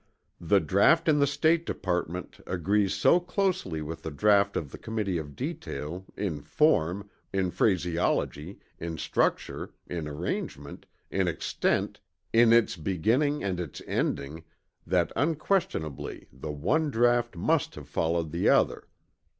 The draught in the State Department agrees so closely with the draught of the Committee of Detail, in form, in phraseology, in structure, in arrangement, in extent, in its beginning and its ending that unquestionably the one draught must have followed the other.